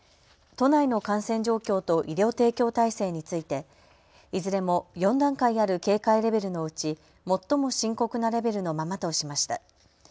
都内の感染状況と医療提供体制についていずれも４段階ある警戒レベルのうち最も深刻なレベルのままとしました。